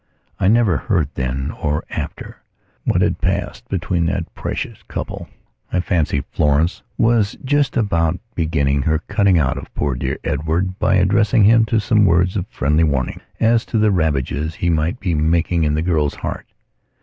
I never heard then or after what had passed between that precious couple. I fancy Florence was just about beginning her cutting out of poor dear Edward by addressing to him some words of friendly warning as to the ravages he might be making in the girl's heart.